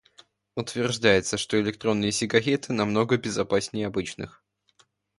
Утверждается, что электронные сигареты намного безопасней обычных